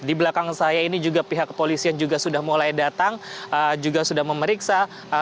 di belakang saya ini juga pihak kepolisian juga sudah mulai datang juga sudah memeriksa